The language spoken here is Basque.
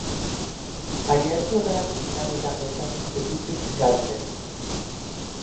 Baina ez du horregatik indar eta prestasun zipitzik galtzen.